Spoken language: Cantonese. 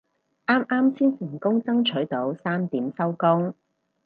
啱啱先成功爭取到三點收工